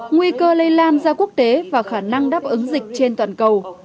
nguy cơ lây lan ra quốc tế và khả năng đáp ứng dịch trên toàn cầu